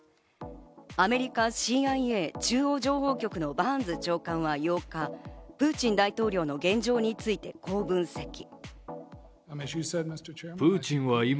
アメリカＣＩＡ＝中央情報局のバーンズ長官は８日、プーチン大統領の現状についてこう分析。